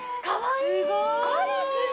かわいい！